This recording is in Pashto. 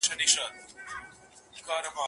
شپې به سوځي په پانوس کي په محفل کي به سبا سي